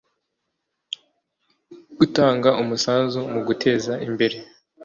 Gutanga umusanzu mu guteza imbere